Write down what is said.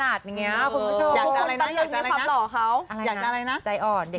้าทิวน่ะต้องใจอ่อนละแหละ